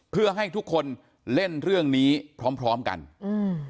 เพื่อให้ทุกคนเล่นเรื่องนี้พร้อมพร้อมกันอืม